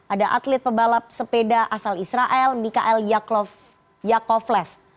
ada atlet pebalap sepeda asal israel mikael yakovlev